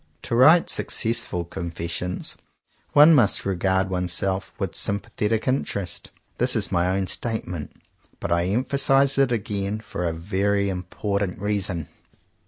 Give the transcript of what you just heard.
"To write successful confessions one must regard oneself with sympathetic in terest." This is my own statement; but I emphasize it again for a very important reason.